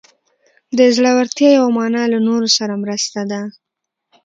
د زړورتیا یوه معنی له نورو سره مرسته ده.